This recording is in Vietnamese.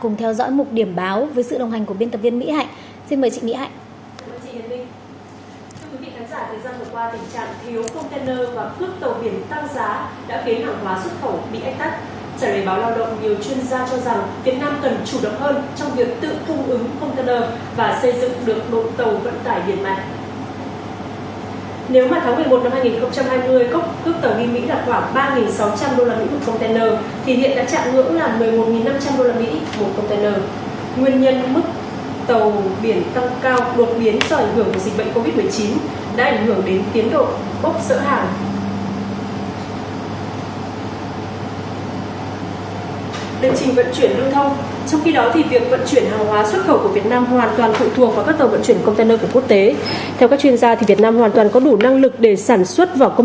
nhiều chuyên gia cho rằng việt nam cần chủ động hơn